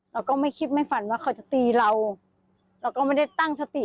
เราก็ไม่คิดไม่ฝันว่าเขาจะตีเราเราก็ไม่ได้ตั้งสติ